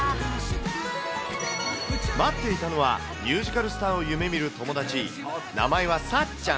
待っていたのは、ミュージカルスターを夢みる友達、名前はさっちゃん。